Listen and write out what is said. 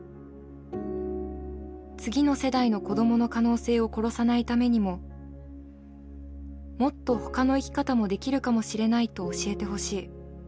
次の世代の子どもの可能性を殺さないためにももっとほかの生き方もできるかもしれないと教えてほしい。